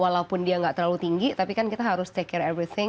walaupun dia nggak terlalu tinggi tapi kan kita harus take care everything